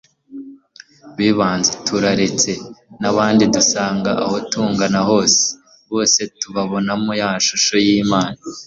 b'ibanze, tutaretse n'abandi dusanga aho tugana hose, bose tubabonamo ya shusho y'imana